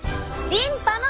リンパや。